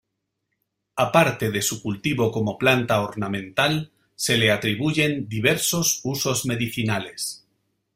Aparte de su cultivo como planta ornamental, se le atribuyen diversos usos medicinales.